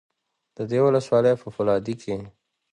د دې ولسوالۍ په فولادي کې